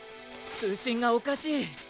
通信がおかしい。